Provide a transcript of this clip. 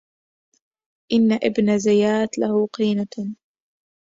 إن ابن زيات له قينة